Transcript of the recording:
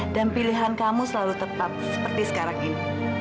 dan pilihan kamu selalu tetap seperti sekarang ini